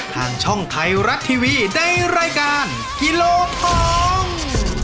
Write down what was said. ทางช่องไทยรัฐทีวีในรายการกิโลทอง